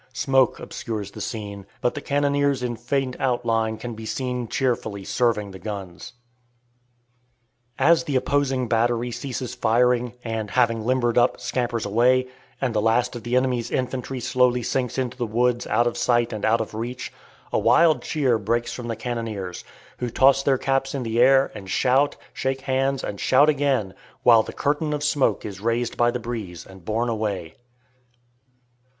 Smoke obscures the scene, but the cannoniers in faint outline can be seen cheerfully serving the guns. As the opposing battery ceases firing, and having limbered up, scampers away, and the last of the enemy's infantry slowly sinks into the woods out of sight and out of reach, a wild cheer breaks from the cannoniers, who toss their caps in the air and shout, shake hands and shout again, while the curtain of smoke is raised by the breeze and borne away.